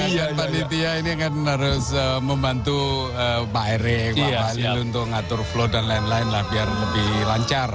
ya panitia ini kan harus membantu pak erik pak balili untuk ngatur flow dan lain lain lah biar lebih lancar